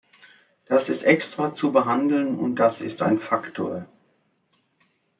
Das ist extra zu behandeln und das ist ein Faktor.